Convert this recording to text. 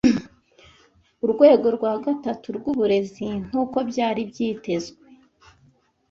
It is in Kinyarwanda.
Urwego rwa gatatu rwuburezi nkuko byari byitezwe